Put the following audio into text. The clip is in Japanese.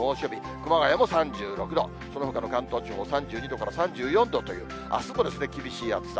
熊谷も３６度、そのほかの関東地方、３２度から３４度というあすも厳しい暑さ。